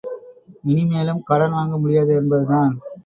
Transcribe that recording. இனிமேலும் கடன் வாங்க முடியாது என்பதுதான்.